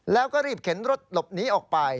แล้วก็รีบเข็นรถหลบหนีออกไป